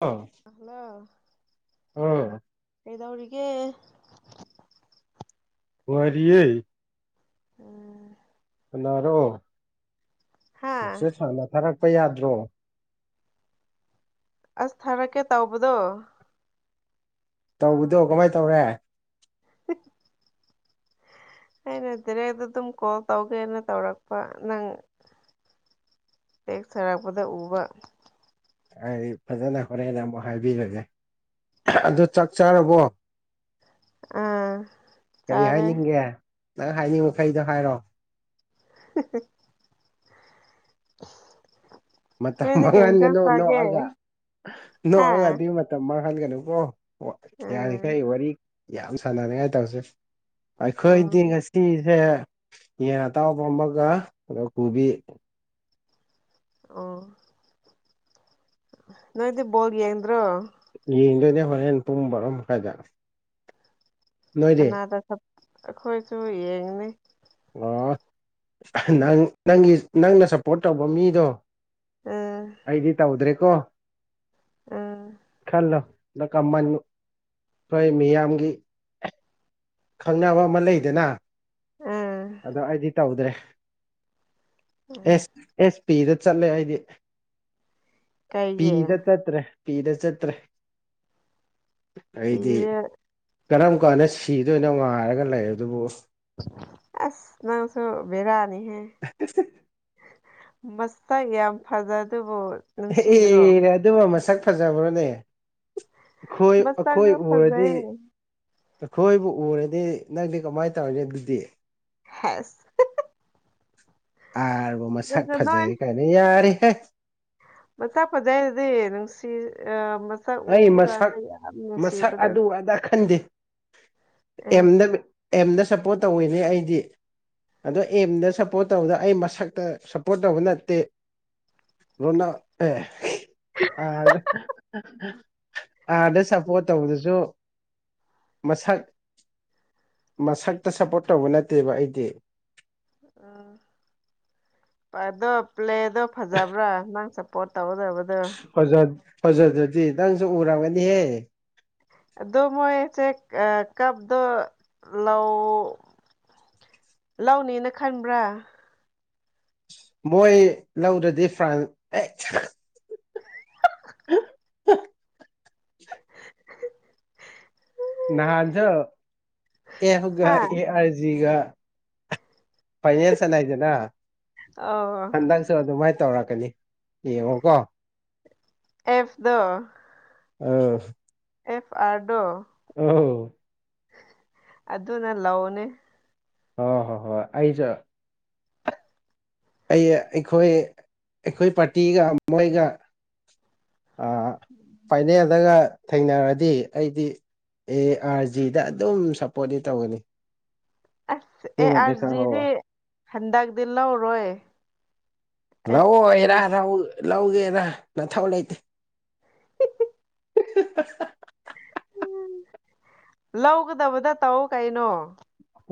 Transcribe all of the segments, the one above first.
ꯑ ꯍꯜꯂꯣ ꯑꯥ ꯀꯩꯗꯧꯔꯤꯒꯦ ꯅꯨꯡꯉꯥꯏꯔꯤꯌꯦ ꯎꯝ ꯅꯥꯔꯣ ꯍꯥ ꯃꯦꯁꯦꯖ ꯍꯥꯟꯅ ꯊꯥꯔꯛꯄ ꯌꯥꯗ꯭ꯔꯣ ꯑꯁ ꯊꯥꯔꯛꯀꯦ ꯇꯧꯕꯗꯣ ꯇꯧꯕꯗꯣ ꯀꯃꯥꯏ ꯇꯧꯔꯦ [unintelligible] ꯍꯩꯅ ꯇꯔꯦꯗ ꯇꯨꯝ ꯀꯣꯜ ꯇꯧꯒꯦꯅ ꯇꯧꯔꯛꯄ ꯅꯪ ꯇꯦꯛꯁ ꯊꯥꯔꯛꯄꯗ ꯎꯕ ꯑꯩ ꯐꯥꯖꯅ ꯍꯣꯔꯦꯟ ꯑꯃꯨꯛ ꯍꯥꯏꯕꯤꯔꯒꯦ ꯑꯗꯣ ꯆꯥꯛ ꯆꯥꯔꯕꯣ ꯑꯥ ꯀꯔꯤ ꯆꯥꯔꯦ ꯍꯥꯏꯅꯤꯡꯒꯦ ꯅꯪ ꯍꯥꯏꯅꯤꯡꯕꯈꯩꯗꯣ ꯍꯥꯏꯔꯣ [unintelligible] [inaudible] ꯃꯇꯝ ꯅꯣꯏꯗꯤ ꯀꯩ ꯏꯟꯁꯥꯡ ꯃꯥꯡꯍꯟꯒꯅꯣ ꯆꯥꯒꯦ ꯅꯣꯛꯑꯒ ꯍꯥ ꯅꯣꯛꯑꯒ ꯗꯤ ꯃꯠ ꯇꯝ ꯃꯥꯡꯍꯟꯒꯅꯨꯀꯣ ꯋꯥ ꯎꯝ ꯌꯥꯔꯤꯈꯩ ꯋꯥꯔꯤ ꯌꯥꯝ ꯁꯅꯅꯤꯡꯉꯥꯏ ꯇꯧꯁꯦ ꯎꯝ ꯑꯩꯈꯣꯏꯗꯤ ꯉꯥꯁ ꯇꯤꯖ‌ꯦ ꯌꯦꯟ ꯑꯇꯥꯎꯕ ꯑꯃꯥꯒ ꯀꯨꯕꯤ ꯑꯣ ꯅꯣꯏꯗꯤ ꯕꯣꯜ ꯌꯦꯡꯗ꯭ꯔꯣ ꯌꯦꯡꯗꯣꯏꯅꯦ ꯍꯣꯔꯦꯟ ꯄꯨꯡ ꯕꯥꯔꯣ ꯃꯈꯥꯏꯗ ꯅꯣꯏꯗꯤ ꯀꯅꯥꯗ ꯈꯞ ꯑꯈꯣꯏꯁꯨ ꯌꯦꯡꯅꯤ ꯋꯥ ꯅꯍꯥꯟ ꯅꯪꯒꯤ ꯅꯪꯅ ꯁꯞꯄꯣꯔꯠ ꯇꯧꯕ ꯃꯤꯗꯣ ꯎꯝ ꯑꯩꯗꯤ ꯇꯧꯗ꯭ꯔꯦꯀꯣ ꯎꯝ ꯈꯜꯂꯣ [unintelligible] ꯑꯩꯈꯣꯏ ꯃꯤꯌꯥꯝꯒꯤ ꯈꯪꯅꯕ ꯑꯃ ꯂꯩꯗꯅ ꯎꯝ ꯑꯗꯣ ꯑꯩꯗꯤ ꯇꯧꯗ꯭ꯔꯦ ꯑꯦꯁ ꯑꯦꯁ ꯄꯤꯗ ꯆꯠꯂꯦ ꯑꯩꯗꯤ ꯀꯩꯒꯤ ꯄꯤꯗꯗ ꯆꯠꯇ꯭ꯔꯦ ꯄꯤꯗ ꯆꯠꯇ꯭ꯔꯦ ꯑꯩꯗꯤ ꯄꯤꯔꯦ ꯀꯔꯝ ꯀꯥꯟꯗ ꯁꯤꯗꯣꯏꯅꯣ ꯉꯥꯏꯔꯒ ꯂꯩꯔꯗꯨꯕꯨ ꯑꯁ ꯅꯪꯁꯨ ꯕꯦꯔꯥꯅꯤꯍꯦ ꯃꯁꯛ ꯌꯥꯝ ꯐꯥꯖꯗꯨꯕꯨ ꯑꯦ ꯑꯗꯨꯕꯨ ꯃꯁꯛ ꯐꯥꯖꯕ꯭ꯔꯣꯅꯦ ꯑꯩꯈꯣꯏ ꯑꯩꯈꯣꯏ ꯃꯁꯛꯗꯣ ꯎꯔꯗꯤ ꯐꯖꯩ ꯑꯩꯈꯣꯏꯕꯨ ꯎꯔꯗꯤ ꯅꯪꯗꯤ ꯀꯃꯥꯏꯅ ꯇꯧꯔꯅꯤ ꯑꯗꯨꯗꯤ ꯍꯁ ꯑꯥꯔꯕꯨ ꯃꯁꯛ ꯐꯖꯔꯦ ꯀꯥꯏꯅ ꯌꯥꯔꯦꯍꯦ ꯃꯁꯛ ꯐꯖꯩꯗꯨꯗꯤ ꯅꯨꯡꯁꯤ ꯑ ꯃꯁꯛ ꯑꯩ ꯎꯕ ꯃꯁꯛ ꯀꯥꯟꯗ ꯌꯥꯝ ꯃꯁꯛ ꯅꯨꯡꯁꯤꯕꯗꯣ ꯑꯗꯨ ꯑꯗ ꯈꯟꯗꯦ ꯑꯦ ꯑꯦꯝꯗ ꯑꯦꯝꯗ ꯁꯞꯄꯣꯔꯠ ꯇꯧꯋꯤꯅꯦ ꯑꯩꯗꯤ ꯑꯗꯣ ꯑꯦꯝꯗ ꯁꯞꯄꯣꯔꯠ ꯇꯧꯕꯗꯣ ꯑꯩ ꯃꯁꯛꯇ ꯁꯞꯄꯣꯔꯠ ꯇꯧꯕ ꯅꯠꯇꯦ [unintelligible] ꯑꯥꯔꯗ ꯁꯞꯄꯣꯔꯠ ꯇꯧꯕꯗꯁꯨ ꯃꯁꯛ ꯃꯁꯛꯇ ꯁꯞꯄꯣꯔꯠ ꯇꯧꯕ ꯅꯠꯇꯦꯕ ꯑꯩꯗꯤ ꯎꯝ ꯑꯗꯣ ꯄ꯭ꯂꯦꯗꯣ ꯐꯖꯕ꯭ꯔꯥ ꯅꯪ ꯆꯞ ꯄꯣꯠ ꯇꯧꯒꯗꯕꯗꯣ ꯐꯥꯖ ꯐꯥꯖꯗ꯭ꯔꯗꯤ ꯅꯪꯁꯨ ꯎꯔꯝꯒꯅꯤꯍꯦ ꯑꯗꯨꯃꯣꯏ ꯆꯦ ꯑ ꯀꯞꯗꯣ ꯂꯧ ꯂꯧꯅꯤꯅ ꯈꯟꯕ꯭ꯔꯥ ꯃꯣꯏ ꯂꯧꯗ꯭ꯔꯗꯤ ꯐ꯭ꯔꯥꯟꯁ ꯑꯦ [unintelligible] [inaudible] ꯅꯍꯥꯟꯁꯨ ꯑꯦꯐꯒ ꯍꯥ ꯑꯦ ꯑꯥꯔꯖꯤꯒ ꯐꯥꯏꯅꯦꯜ ꯁꯥꯟꯅꯩꯗꯅ ꯑꯣ ꯍꯟꯗꯛ ꯑꯁꯨ ꯗꯨꯃꯥꯏꯅ ꯇꯧꯔꯛꯀꯅꯤ ꯌꯦꯡꯉꯣꯀꯣ ꯑꯦꯐꯗꯨ ꯑꯧ ꯑꯦꯐ ꯑꯥꯔ ꯗꯣ ꯑꯧ ꯗꯨ ꯅ ꯂꯧꯅꯤ ꯑ ꯍꯣꯏ ꯍꯣꯏ ꯍꯣꯏ ꯑꯩꯁꯨ ꯑꯩ ꯑꯩꯈꯣꯏ ꯑꯩꯈꯣꯏ ꯄꯥꯔꯇꯤꯒ ꯃꯣꯏꯒ ꯑ ꯐꯥꯏꯅꯦꯜꯗꯒ ꯊꯦꯡꯅꯔꯗꯤ ꯑꯩꯗꯤ ꯑꯦ ꯑꯥꯔ ꯖꯤꯗ ꯑꯗꯨꯝ ꯁꯞꯄꯣꯔꯠꯇꯤ ꯇꯧꯒꯅꯤ ꯑꯁ ꯑꯦ ꯁꯤꯃꯗꯤ ꯑꯥꯔꯖꯤꯗꯤ ꯈꯪꯍꯧꯔꯣ ꯍꯟꯗꯛꯇꯤ ꯂꯧꯔꯣꯏ ꯑꯩ ꯂꯧꯑꯣꯏꯔꯥ ꯂꯧ ꯂꯧꯒꯦꯗ ꯅꯊꯧ ꯂꯩꯇꯦ [inaudible] ꯂꯧꯒꯗꯕꯗ ꯇꯧꯑꯣ ꯀꯩꯅꯣ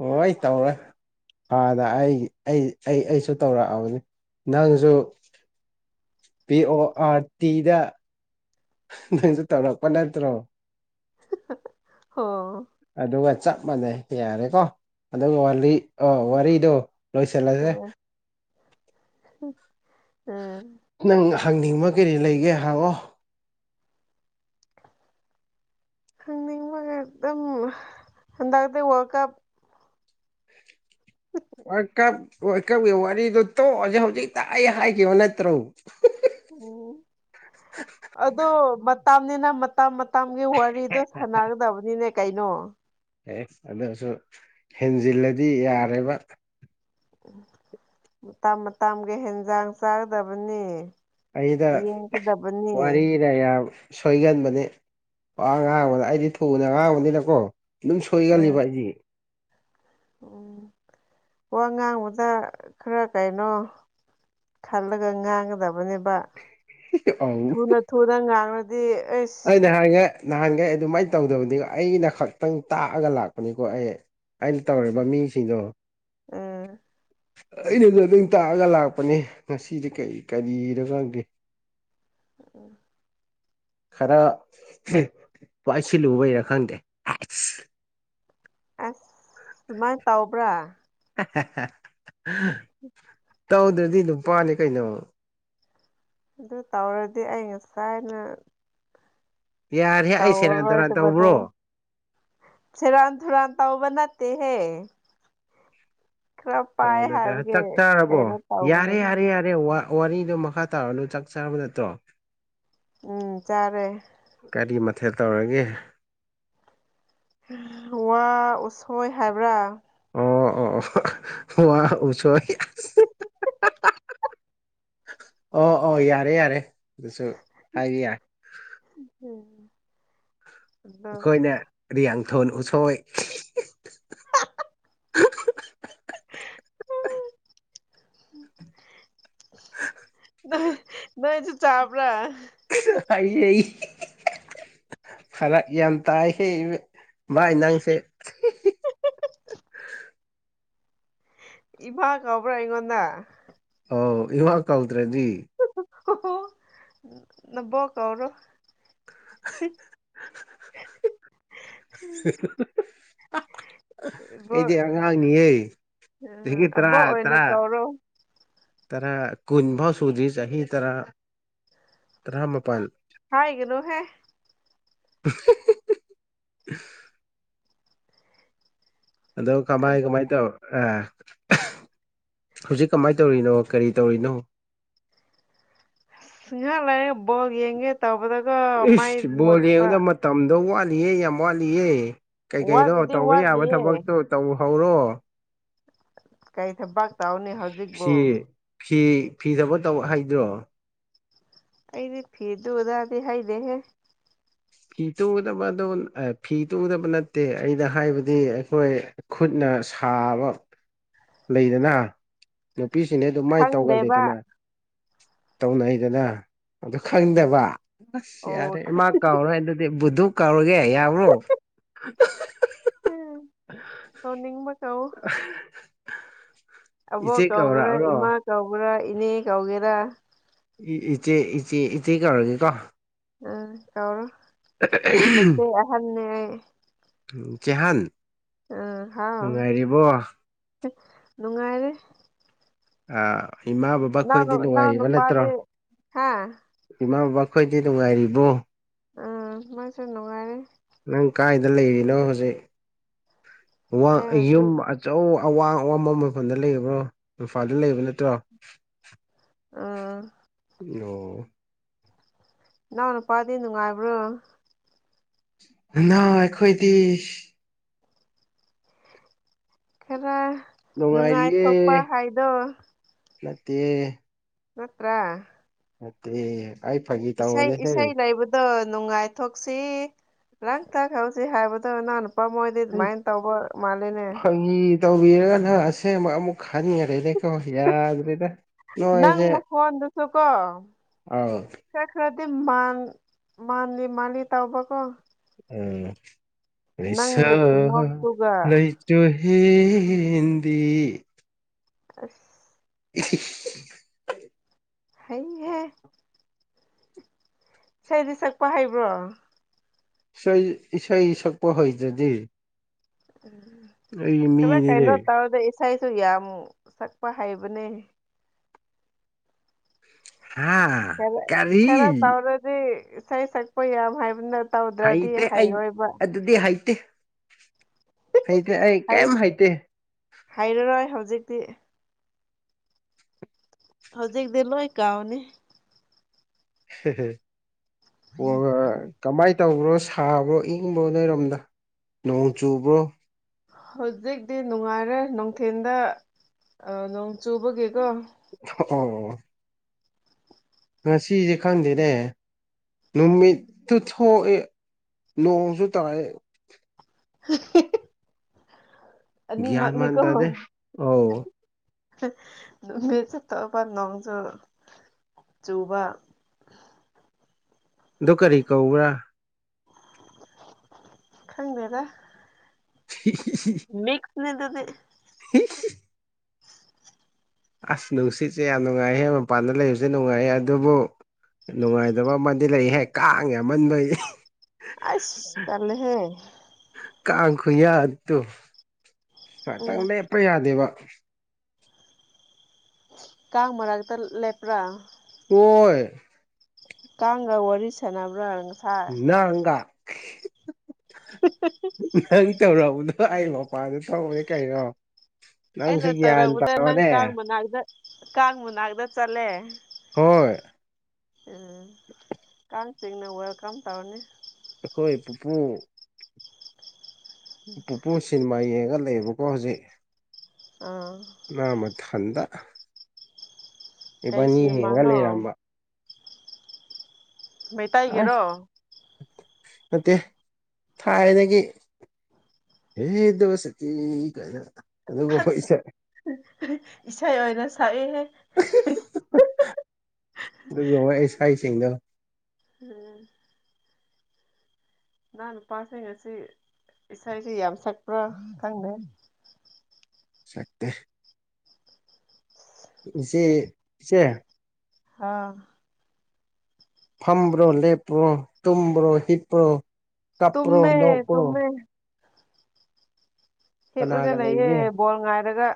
ꯑꯣ ꯑꯩ ꯇꯧꯔꯦ ꯐꯥꯗ ꯑꯩ ꯑꯩ ꯑꯩ ꯑꯩꯁꯨ ꯇꯧꯔꯛꯑꯕꯅꯤ ꯅꯪꯁꯨ ꯄꯤ ꯑꯣ ꯑꯥꯔ ꯇꯤꯗ ꯅꯪꯁꯨ ꯇꯧꯔꯛꯄ ꯅꯠꯇ꯭ꯔꯣ ꯍ [unintelligible] ꯑꯗꯨꯒ ꯆꯞ ꯃꯥꯟꯅꯩ ꯌꯥꯔꯦꯀꯣ ꯑꯗꯨꯒ ꯋꯥꯔꯤ ꯋꯥꯥꯔꯤꯗꯣ ꯂꯣꯏ ꯁꯜꯂꯥꯁꯦ ꯎꯝ ꯎꯝ [unintelligible] ꯅꯪ ꯍꯪꯅꯤꯡꯕ ꯀꯩꯔꯤ ꯂꯩꯒꯦ ꯍꯪꯉꯑꯣ ꯈꯪꯅꯤꯡꯕꯒ ꯑꯗꯨꯝ ꯍꯟꯗꯛꯇꯇꯩ world cup world cup war ꯀꯞꯀꯤ ꯋꯥꯔꯤꯗꯨ ꯇꯣꯛꯑꯖꯦ ꯍꯧꯖꯤꯛꯇ ꯑꯩ ꯍꯥꯏꯈꯤꯕ ꯅꯠꯇ꯭ꯔꯣ [unintelligible] ꯎꯝ ꯑꯗꯣ ꯃꯇꯝꯅꯤꯅ ꯃꯇꯝ ꯇꯝꯒꯤ ꯋꯥꯔꯤꯗꯣ ꯁꯥꯟꯅꯒꯗꯕꯅꯤꯅꯦ ꯀꯩꯅꯣ ꯑꯦ ꯑꯗꯨꯁꯨ ꯍꯦꯟꯖꯤꯜꯂꯗꯤ ꯌꯥꯔꯦꯕ ꯃꯇꯝ ꯃꯇꯝꯒꯤ ꯍꯦꯟꯖꯥꯡ ꯆꯥꯒꯗꯕꯅꯤ ꯑꯩꯗ ꯌꯦꯡꯒꯗꯕꯅꯤ ꯋꯥꯔꯤ ꯑꯩꯅ ꯌꯥꯝ ꯁꯣꯏꯒꯟꯕꯅꯦ ꯋꯥ ꯉꯥꯡꯕꯗ ꯑꯩꯗꯤ ꯊꯨꯅ ꯉꯥꯡꯕꯅꯤꯅꯀꯣ ꯑꯗꯨꯝ ꯁꯣꯏꯒꯜꯂꯤꯕ ꯎꯝ ꯑꯩꯗꯤ ꯎꯝ ꯋꯥ ꯉꯥꯡꯕꯗ ꯈꯔ ꯀꯩꯅꯣ ꯈꯜꯂꯒ ꯉꯥꯡꯒꯗꯕꯅꯦꯕ ꯁꯤꯁꯦ ꯑꯥꯎ ꯊꯨꯅ ꯊꯨꯅ ꯉꯥꯡꯔꯗꯤ ꯑꯩ ꯑꯩ ꯅꯍꯥꯟꯒꯩ ꯅꯍꯥꯟꯒꯩ ꯑꯗꯨꯃꯥꯏꯅ ꯇꯧꯗꯕꯅꯤ ꯑꯩꯅ ꯈꯛꯇꯪ ꯇꯥꯛꯑꯒ ꯂꯥꯛꯄꯅꯤꯀꯣ ꯑꯩ ꯑꯩꯅ ꯇꯧꯔꯤꯕ ꯃꯤꯁꯤꯡꯗꯣ ꯎꯝ ꯑꯩꯅꯗ ꯑꯗꯨꯝ ꯇꯥꯛꯑꯒ ꯂꯥꯛꯄꯅꯦ ꯉꯁꯤꯗꯤ ꯀꯔꯤ ꯀꯔꯤꯅꯣ ꯈꯪꯗꯦ ꯎꯝ ꯈꯔ ꯄꯥꯏꯁꯤꯜꯂꯨꯕꯩꯔꯥ ꯈꯪꯗꯦ ꯑꯁ ꯑꯗꯨꯃꯥꯏꯅ ꯇꯧꯕ꯭ꯔꯥ [unintelligible] ꯇꯧꯗ꯭ꯔꯗꯤ ꯅꯨꯄꯥꯅꯤ ꯀꯩꯅꯣ ꯑꯗꯨ ꯇꯧꯔꯗꯤ ꯑꯩ ꯉꯁꯥꯏꯅ ꯌꯥꯔꯦ ꯑꯩ ꯁꯦꯔꯥꯟ ꯇꯨꯔꯥꯟ ꯇꯧꯔꯔꯣꯏꯗꯣ ꯇꯧꯕ꯭ꯔꯣ ꯁꯦꯔꯥꯟ ꯇꯨꯔꯥꯟ ꯇꯧꯕ ꯅꯠꯇꯦꯍꯦ ꯈꯔ ꯄꯥꯏ ꯇꯧꯕ ꯅꯠꯇ ꯍꯥꯏꯕꯒꯤ ꯍꯆꯥꯛ ꯆꯥꯔꯕꯣ ꯀꯩꯅꯣ ꯌꯥꯔꯦ ꯇꯧꯕꯅꯤꯗ ꯌꯥꯔꯦ ꯌꯥꯔꯦ ꯑꯔꯦ ꯋꯥꯔꯤꯗꯣ ꯃꯈꯥ ꯇꯥꯔꯅꯨ ꯆꯥꯛ ꯆꯥꯔꯕ ꯅꯠꯇ꯭ꯔꯣ ꯎꯝ ꯆꯥꯔꯦ ꯀꯔꯤ ꯃꯊꯦꯜ ꯇꯧꯔꯒꯦ ꯋꯥ ꯎꯁꯣꯏ ꯍꯥꯏꯕ꯭ꯔꯥ ꯑꯣ ꯑꯣ ꯋꯥ ꯎꯁꯣꯏ [unintelligible] [unintelligible] ꯑꯣ ꯑꯣ ꯌꯥꯔꯦ ꯌꯥꯔꯦ ꯑꯗꯨꯁꯨ ꯍꯥꯏꯕ ꯌꯥꯔꯦ ꯎꯝ ꯑꯗꯣ ꯑꯩꯈꯣꯏꯅ ꯔꯤꯌꯥꯡꯊꯣꯟ ꯎꯁꯣꯏ ꯅꯣꯏ ꯅꯣꯏꯁꯨ ꯆꯥꯕ꯭ꯔꯥ ꯑꯩ [unintelligible] ꯐꯔꯛ ꯌꯥꯝ ꯇꯥꯏꯍ ꯃꯥꯥꯏ ꯅꯥꯡꯁꯦ [unintelligible] ꯏꯃꯥ ꯀꯧꯕ꯭ꯔꯥ ꯑꯩꯉꯣꯟꯗ ꯑꯣ ꯏꯃꯥ ꯀꯧꯗ꯭ꯔꯗꯤ [unintelligible] ꯅꯕꯣꯛ ꯀꯧꯔꯣ ꯍ [unintelligible] [unintelligible] ꯏꯕꯣꯛ ꯑꯩꯗꯤ ꯑꯉꯥꯡꯅꯤꯌꯦ ꯆꯍꯤ ꯇꯔꯥ ꯑꯕꯣꯛ ꯑꯣꯏꯅ ꯇꯔꯥ ꯀꯧꯔꯣ ꯇꯔꯥ ꯀꯨꯟ ꯐꯥꯎ ꯁꯨꯗ꯭ꯔꯤ ꯆꯍꯤ ꯇꯔꯥ ꯇꯔꯥꯃꯄꯟ ꯍꯥꯏꯒꯅꯨꯍꯦ [inaudible] ꯑꯗꯣ ꯀꯃꯥꯏ ꯑꯗꯨ ꯀꯃꯥꯏ ꯇꯧ ꯑꯥ ꯍꯨꯖꯤꯛ ꯀꯃꯥꯏꯅ ꯇꯧꯔꯤꯅꯣ ꯀꯔꯤ ꯇꯧꯔꯤꯅꯣ ꯉꯥꯏꯍꯥꯛ ꯂꯩꯥꯏꯔ ꯕꯣꯜ ꯌꯦꯡꯒꯦ ꯇꯧꯕꯗꯒꯣ ꯃꯩ ꯃꯨꯠꯄ ꯇꯝꯗꯣ ꯋꯥꯠꯂꯤꯌꯦ ꯌꯥꯝ ꯋꯥꯠꯂꯤꯌꯦ ꯀꯩ ꯀꯩꯅꯣ ꯋꯥꯠꯄꯨꯗꯤ ꯇꯧꯕ ꯌꯥꯕ ꯋꯥꯠꯂꯤꯌꯦ ꯊꯕꯛꯇꯣ ꯇꯧꯍꯧꯔꯣ ꯀꯩ ꯊꯕꯛ ꯇꯧꯅꯤ ꯍꯧꯖꯤꯛꯕꯨ ꯐꯤ ꯐꯤ ꯐꯤꯊꯕꯛ ꯇꯧ ꯍꯩꯗ꯭ꯔꯣ ꯑꯩꯗꯤ ꯐꯤ ꯗꯨ ꯗꯥꯗꯤ ꯍꯩꯗꯦꯍꯦ ꯐꯤ ꯇꯨꯒꯗꯕ ꯑꯗꯨ ꯑ ꯐꯤ ꯇꯨꯒꯗꯕ ꯅꯠꯇꯦ ꯑꯩꯅ ꯍꯥꯏꯕꯗꯤ ꯑꯩꯈꯣꯏ ꯈꯨꯠꯅ ꯁꯥꯕ ꯂꯩꯗꯅ ꯅꯨꯄꯤꯁꯤꯡꯗꯤ ꯑꯗꯨꯃꯥꯏ ꯈꯪꯗꯦꯕ ꯇꯧꯒꯜꯂꯤꯗꯅ ꯇꯧꯅꯩꯗꯅ ꯑꯗꯨ ꯈꯪꯗꯕ ꯎꯝ ꯑꯁ ꯑꯣ ꯌꯥꯔꯦ ꯏꯃꯥ ꯀꯥꯎꯔꯦ ꯑꯗꯨ ꯕꯨꯗꯨ ꯀꯥꯎꯔꯒꯦ ꯌꯥꯕꯔꯣ ꯎꯝ ꯀꯧꯅꯤꯡꯕ ꯀꯧꯑꯣ [inaudible] ꯑꯕꯣꯛ ꯏꯆꯦ ꯀꯧꯒꯦꯔꯥ ꯀꯧꯔꯛꯑꯔꯣ ꯏꯃꯥ ꯀꯧꯒꯦꯔꯥ ꯏꯅꯦ ꯀꯧꯒꯦꯔꯥ ꯏ ꯏꯆꯦ ꯏꯆꯦ ꯏꯆꯦ ꯀꯧꯔꯒꯦꯀꯣ ꯎꯝ ꯀꯧꯔꯣ ꯃꯆꯦ ꯑꯍꯟꯅꯦ ꯆꯦꯍꯟ ꯑꯥ ꯍꯥꯎ ꯅꯨꯡꯉꯥꯏꯔꯤ ꯑ ꯏꯃꯥ ꯕꯕꯥ ꯈꯣꯏꯗꯤ ꯅꯅꯥꯎ ꯅꯅꯥꯎ ꯅꯨꯡꯉꯥꯏꯔꯤꯕ ꯅꯠꯇ꯭ꯔꯣ ꯅꯨꯄꯥꯗꯤ ꯍꯥ ꯏꯃꯥ ꯕꯕꯥ ꯈꯣꯏꯗꯤ ꯅꯨꯡꯉꯥꯏꯔꯤꯕꯣ ꯑꯥ ꯃꯣꯢꯁꯨ ꯅꯨꯡꯉꯥꯏꯔꯤ ꯅꯪ ꯀꯥꯏꯗ ꯂꯩꯔꯤꯅꯣ ꯍꯧꯖꯤꯛ ꯋꯥ ꯑꯩ ꯌꯨꯝ ꯍꯧꯖꯤꯛ ꯑ ꯑꯆꯧ ꯑꯋꯥꯡ ꯑꯋꯥꯡꯕ ꯃꯐꯝꯗ ꯂꯩꯕ꯭ꯔꯣ ꯏꯝꯐꯥꯜꯗ ꯂꯩꯕ ꯅꯠꯇ꯭ꯔꯣ ꯑꯥ ꯑꯣ ꯅꯥꯎ ꯅꯨꯄꯥꯗꯤ ꯅꯨꯉꯥꯏꯕ꯭ꯔꯣ ꯅꯅꯥꯎ ꯑꯩꯈꯣꯏꯗꯤ ꯈꯔ ꯅꯨꯡꯉꯥꯏꯔꯤꯌꯦ ꯅꯨꯡꯉꯥꯏꯊꯣꯛꯄ ꯍꯥꯏꯗꯣ ꯅꯠꯇꯦ ꯅꯠꯇꯔ꯭ꯥ ꯅꯠꯇꯦ ꯑꯩ ꯐꯥꯒꯤ ꯇꯧꯕꯅꯦꯍꯦ ꯑꯗꯣ ꯅꯨꯡꯉꯥꯏꯊꯣꯛꯁꯤ ꯂꯥꯡ ꯊꯣꯛꯍꯧꯁꯤ ꯍꯥꯏꯕꯗꯣ ꯏꯅꯥꯎ ꯅꯨꯄꯥ ꯃꯣꯏ ꯗꯤ ꯑꯗꯨꯃꯥꯏꯅ ꯇꯧꯕ ꯃꯥꯂꯦꯅꯦ ꯎꯝ ꯇꯧꯕꯤꯔꯒ ꯅꯪ ꯑꯁꯦꯡꯕ ꯑꯃꯨꯛ ꯈꯟꯈꯔ꯭ꯦꯅꯦꯀꯣ ꯌꯥꯗ꯭ꯔꯦꯗ ꯅꯪ ꯅꯣꯏꯁꯦ ꯃꯈꯣꯟꯗꯨꯁꯨ ꯀꯣ ꯑꯥꯎ ꯈꯔ ꯈꯔꯗꯤ ꯃꯥꯟ ꯃꯥꯟꯂꯤ ꯃꯥꯟꯂꯤ ꯇꯧꯕꯀꯣ ꯎꯝ ꯅꯪꯒꯤ ꯂꯩꯁꯛ ꯈꯨꯅꯣꯛꯇꯨꯒ ꯂꯩ ꯆꯨ ꯍꯦꯟꯕꯤ ꯑꯁ [unintelligible] ꯍꯩꯍꯦ ꯏꯁꯩꯗꯤ ꯁꯛꯄ ꯍꯩꯕ꯭ꯔꯣ ꯏꯁꯩ ꯏꯁꯩꯠꯁꯛꯄ ꯍꯩꯇ꯭ꯔꯗꯤ ꯎꯝ ꯑꯩ ꯈꯔ ꯃꯤꯅꯤꯅꯦ ꯀꯩꯅꯣ ꯇꯧꯔꯗꯤ ꯏꯁꯩꯁꯨ ꯌꯥꯝ ꯁꯛꯄ ꯍꯩꯕꯅꯦ ꯍꯥ ꯈꯔ ꯀꯔꯤ ꯈꯔ ꯇꯧꯔꯗꯤ ꯏꯁꯩ ꯁꯛꯄ ꯌꯥꯝ ꯍꯩꯕꯅꯦ ꯍꯩꯇꯦ ꯑꯩ ꯑꯗꯨꯗꯤ ꯍꯩꯇꯦ ꯍꯩꯇ꯭ꯔꯦ ꯑꯩ ꯍꯩ ꯀꯩꯝ ꯍꯩꯇꯦ ꯍꯩꯔꯔꯣꯏ ꯍꯧꯖꯤꯛꯇꯤ ꯍꯧꯖꯤꯛꯇꯤ ꯂꯣꯏ ꯀꯥꯎꯅꯤ ꯑꯣꯔ ꯀꯃꯥꯏ ꯇꯧꯕ꯭ꯔꯣ ꯁꯥꯕ꯭ꯔꯣ ꯏꯪꯕ꯭ꯔꯣ ꯅꯣꯏꯔꯣꯝꯗ ꯅꯣꯡ ꯆꯨꯕ꯭ꯔꯣ ꯍꯧꯖꯤꯛꯇꯤ ꯅꯨꯡꯉꯥꯏꯔꯦ ꯅꯨꯡꯊꯤꯟꯗ ꯑ ꯅꯣꯡ ꯆꯨꯕꯒꯤꯀꯣ ꯑꯣ ꯑꯣ ꯉꯁꯤꯁꯦ ꯈꯪꯗꯦꯅꯦ ꯅꯨꯃꯤꯠꯇꯨ ꯊꯣꯛꯑꯦ ꯅꯣꯡꯁꯨ ꯇꯥꯢꯌꯦ [unintelligible] ꯒ꯭ꯌꯥꯟ ꯑꯅꯤꯃꯛꯅꯤ ꯃꯥꯟ ꯀꯣ ꯇꯥꯗꯦ ꯑꯧ ꯅꯨꯃꯤꯠꯁꯨ ꯊꯣꯛꯄ ꯅꯣꯡꯁꯨ ꯆꯨꯕ ꯑꯗꯨ ꯀꯔꯤ ꯀꯧꯕ꯭ꯔꯥ ꯈꯪꯗꯦꯗ [unintelligible] ꯃꯤꯛꯅꯦ ꯑꯗꯨꯗꯤ ꯑꯁ ꯅꯨꯡꯁꯤꯠꯁꯦ ꯌꯥꯝ ꯅꯨꯡꯉꯥꯏꯍꯦ ꯃꯄꯥꯟꯗ ꯂꯩꯕꯁꯦ ꯅꯨꯡꯉꯥꯏꯌꯦ ꯑꯗꯨꯕꯨ ꯅꯨꯡꯉꯥꯏꯇꯕ ꯑꯃꯗꯤ ꯂꯩ ꯍꯦ ꯀꯥꯡ ꯌꯥꯝꯃꯟꯕꯩ ꯑꯁ ꯇꯜꯂꯦꯍꯦ [unintelligible] ꯉꯥꯛꯇꯪ ꯎꯝ ꯂꯦꯞꯄ ꯌꯥꯗꯦꯕ ꯀꯥꯡ ꯃꯔꯛꯇ ꯂꯦꯞꯄ꯭ꯔꯥ ꯍꯣꯏ ꯀꯥꯡꯒ ꯋꯥꯔꯤ ꯁꯥꯟꯅꯕ꯭ꯔꯥ ꯉꯁꯥꯏ ꯅꯪꯒꯥ ꯅꯪ ꯇꯧꯔꯛꯄꯗꯣ ꯑꯩ ꯃꯄꯥꯟꯗ ꯊꯣꯛꯎꯔꯦ ꯀꯩꯅꯣ ꯅꯪꯁꯨ ꯑꯩꯅ ꯒ꯭ꯌꯥꯟ ꯇꯧꯔꯛꯄꯗ ꯅꯪ ꯇꯥꯑꯣꯅꯦ ꯀꯥꯡ ꯃꯅꯥꯛꯇ ꯀꯥꯡ ꯃꯅꯥꯛꯇ ꯆꯠꯂꯦ ꯍꯣꯏ ꯎꯝ ꯀꯥꯡ ꯁꯤꯡꯅ ꯋꯦꯜꯀꯝ ꯇꯧꯅꯤ ꯑꯩꯈꯣꯏ ꯄꯨꯄꯨ ꯄꯨꯄꯨ ꯁꯤꯅꯤꯃꯥ ꯌꯦꯡꯉꯒ ꯂꯩꯕꯀꯣ ꯍꯧꯖꯤꯛ ꯑꯥ ꯃꯥ ꯃꯊꯟꯗ ꯀꯩ ꯏꯕꯥꯅꯤ ꯌꯦꯡꯉꯒ ꯁꯤꯅꯦꯃꯥꯅꯣ ꯂꯩꯔꯝꯕ ꯃꯩꯇꯩ ꯑꯁ ꯒꯤꯔꯣ ꯅꯠꯇꯦ ꯊꯥꯏꯅꯒꯤ [unintelligible] ꯀꯥꯏꯅ ꯑꯗꯨꯒꯨꯝꯕ ꯑꯁ ꯏꯁꯩ ꯏꯁꯩ ꯑꯣꯏꯅ ꯁꯛꯏꯦꯍꯦ ꯑꯗꯨꯒꯨꯝꯕ ꯏꯁꯩꯥꯁꯤꯡꯗꯣ ꯎꯝ ꯏꯅꯥ ꯅꯨꯄꯥꯁꯤ ꯉꯁꯤ ꯏꯁꯩꯁꯤ ꯌꯥꯝ ꯁꯛꯄ꯭ꯔꯥ ꯈꯪꯗꯦ ꯁꯛꯇꯦ ꯏꯆꯦ ꯏꯆꯦ ꯍꯥꯎ ꯐꯝꯕ꯭ꯔꯣ ꯂꯦꯞꯄ꯭ꯔꯣ ꯇꯨꯝꯕ꯭ꯔꯣ ꯍꯤꯞꯄ꯭ꯔꯣ ꯀꯞꯄ꯭ꯔꯣ ꯇꯨꯝꯃꯦ ꯅꯣꯛꯄ꯭ꯔꯣ ꯇꯨꯝꯃꯦ ꯍꯤꯞꯔꯒ ꯀꯅꯥꯒ ꯂꯩꯌꯦ ꯂꯩꯒꯦ ꯕꯣꯜ ꯉꯥꯏꯔꯒ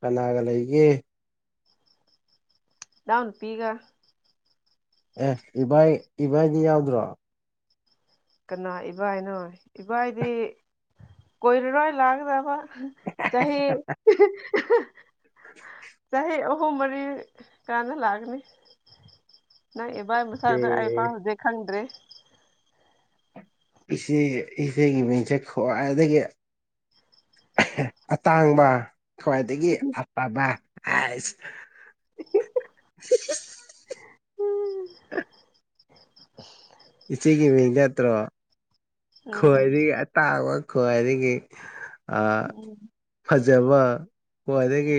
ꯀꯅꯥꯒ ꯂꯩꯒꯦ ꯏꯅꯥꯎꯅꯨꯄꯤꯒ ꯑꯦ ꯏꯕꯥꯏ ꯏꯕꯥꯏꯗꯤ ꯌꯥꯎꯗ꯭ꯔꯣ ꯀꯅꯥ ꯏꯕꯥꯏꯅꯣ ꯏꯕꯥꯏꯗꯤ ꯀꯣꯏꯔꯔꯣꯏ ꯂꯥꯛꯀꯗꯕ ꯆꯍꯤ ꯍ ꯆꯍꯤ ꯑꯍꯨꯝ ꯃꯔꯤ ꯀꯥꯟꯅ ꯂꯥꯛꯒꯅꯤ ꯅꯣꯏ ꯏꯕꯥꯏ ꯃꯁꯛꯗꯣ ꯑꯩꯐꯥꯎ ꯑꯦ ꯍꯧꯖꯤꯛ ꯈꯪꯗ꯭ꯔꯤ ꯏꯆꯦ ꯏꯆꯦꯒꯤ ꯃꯤꯡꯆꯦ ꯈ꯭ꯋꯥꯏꯗꯒꯤ ꯑꯇꯥꯡꯕ ꯈ꯭ꯋꯥꯏꯗꯒꯤ ꯑꯐꯥꯕꯥ ꯍꯥꯏꯁ ꯍ ꯏꯆꯦꯒꯤ ꯃꯤꯡ ꯅꯠꯇ꯭ꯔꯣ ꯎꯝ ꯈꯣꯏꯗꯤ ꯇꯥꯕ ꯈ꯭ꯋꯥꯏꯗꯒꯤ ꯑ ꯎꯝ ꯐꯖꯕ ꯈ꯭ꯋꯥꯏꯗꯒꯤ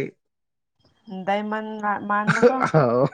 ꯗꯥꯏꯃꯟꯅ ꯑꯍ ꯑꯥꯎ